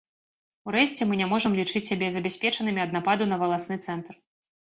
Урэшце мы не можам лічыць сябе забяспечанымі ад нападу на валасны цэнтр.